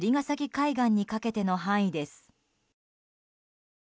海岸にかけての範囲です。